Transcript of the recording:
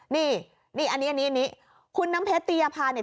นี่นี่อันนี้คุณน้ำเพชรตียภาเนี่ย